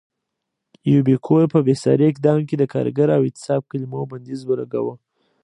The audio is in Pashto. یوبیکو په بېساري اقدام کې د کارګر او اعتصاب کلیمو بندیز ولګاوه.